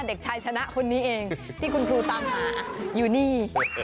เด็กชายชนะคนนี้เองที่คุณครูตามหาอยู่นี่